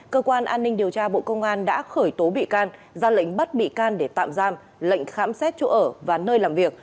cơ quan an ninh điều tra bộ công an đã khởi tố bị can ra lệnh bắt bị can để tạm giam lệnh khám xét chỗ ở và nơi làm việc